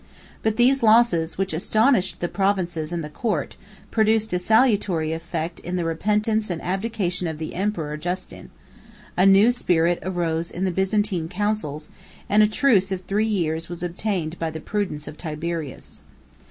But these losses, which astonished the provinces and the court, produced a salutary effect in the repentance and abdication of the emperor Justin: a new spirit arose in the Byzantine councils; and a truce of three years was obtained by the prudence of Tiberius.